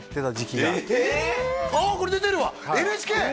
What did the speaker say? ああこれ出てるわＮＨＫ？